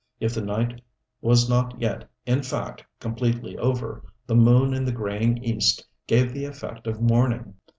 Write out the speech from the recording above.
If the night was not yet, in fact, completely over, the moon and the graying east gave the effect of morning.